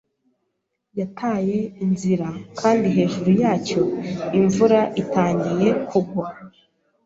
Yataye inzira kandi hejuru yacyo imvura itangiye kugwa.